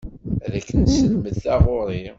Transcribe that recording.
Ad ak-nesselmed taɣuri.